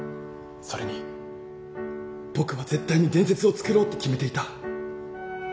それに僕は絶対に伝説を作ろうって決めていた。